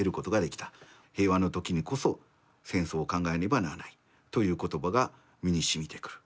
平和のときにこそ戦争を考えねばならないという言葉が身に沁みてくる」。